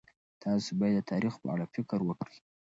تاسو باید د تاریخ په اړه فکر وکړئ.